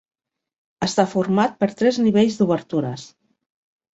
Està format per tres nivells d'obertures.